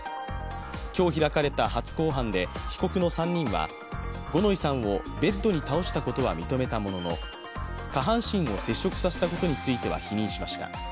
今日開かれた初公判で被告の３人は五ノ井さんをベッドに倒したことは認めたものの、下半身を接触させたことについては否認しました。